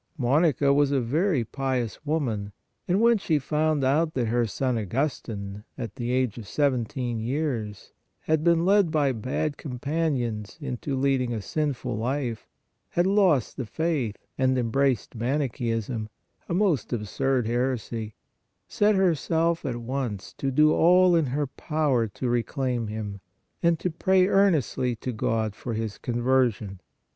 Monica was a very pious woman and when she found out that her son Augustine, at the age of seventeen years, had been led by bad companions into leading a sinful life, had lost the faith and embraced Manicheism, a most absurd heresy, set herself at once to do all in her power to reclaim him, and to pray earnestly to God for his conversion.